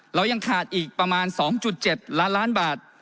เรายังขาดอีกประมาณ๒๗ล้านล้านบาท